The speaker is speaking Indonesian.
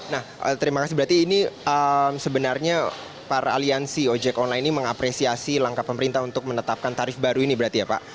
nah terima kasih berarti ini sebenarnya para aliansi ojek online ini mengapresiasi langkah pemerintah untuk menetapkan tarif baru ini berarti ya pak